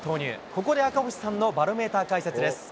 ここで赤星さんのバロメーター解説です。